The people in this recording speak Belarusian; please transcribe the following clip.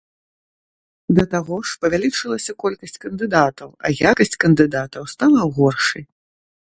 Да таго ж, павялічылася колькасць кандыдатаў, а якасць кандыдатаў стала горшай.